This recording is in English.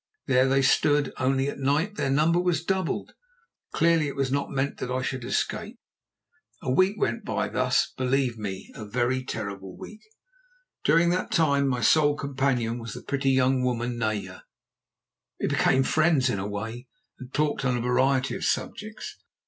There they stood—only at night their number was doubled. Clearly it was not meant that I should escape. A week went by thus—believe me, a very terrible week. During that time my sole companion was the pretty young woman, Naya. We became friends in a way and talked on a variety of subjects.